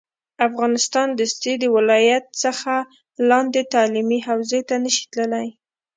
افغانستان دستي د ولایت څخه لاندې تعلیمي حوزې ته نه شي تللی